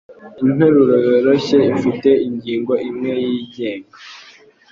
Interuro yoroshye ifite ingingo imwe yigenga